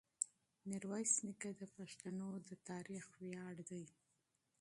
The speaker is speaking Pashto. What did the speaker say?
میرویس نیکه د پښتنو د تاریخ ویاړ دی.